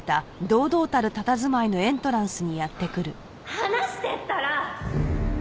離してったら！